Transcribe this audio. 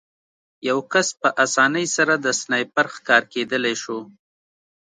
یو کس په اسانۍ سره د سنایپر ښکار کېدلی شو